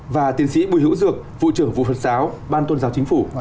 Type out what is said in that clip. và tiến sĩ bùi hữu dược vụ trưởng vụ phật giáo ban tôn giáo chính phủ